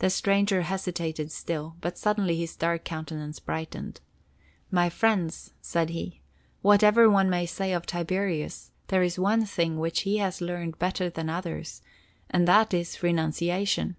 The stranger hesitated still, but suddenly his dark countenance brightened. "My friends," said he, "whatever one may say of Tiberius, there is one thing which he has learned better than others; and that is—renunciation.